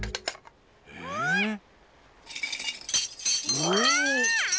うわ！